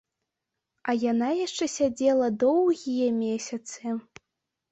А яна яшчэ сядзела доўгія месяцы.